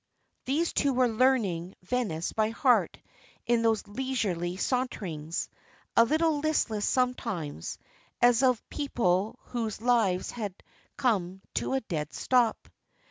These two were learning Venice by heart in those leisurely saunterings, a little listless sometimes, as of people whose lives had come to a dead stop.